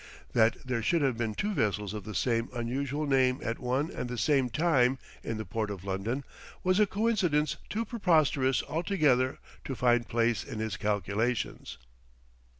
That there should have been two vessels of the same unusual name at one and the same time in the Port of London, was a coincidence too preposterous altogether to find place in his calculations.